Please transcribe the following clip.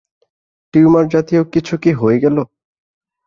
Tumour জাতীয় কিছু কি হয়ে গেল?